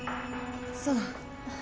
そう。